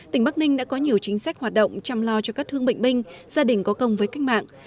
tỉnh bắc ninh đã có nhiều chính sách hoạt động chăm lo cho các thương bệnh binh gia đình có công với cách mạng